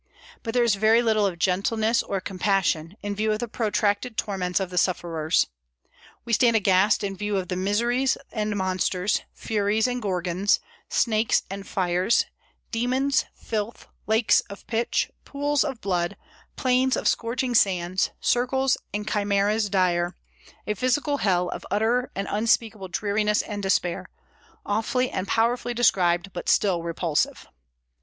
But there is very little of gentleness or compassion, in view of the protracted torments of the sufferers. We stand aghast in view of the miseries and monsters, furies and gorgons, snakes and fires, demons, filth, lakes of pitch, pools of blood, plains of scorching sands, circles, and chimeras dire, a physical hell of utter and unspeakable dreariness and despair, awfully and powerfully described, but still repulsive.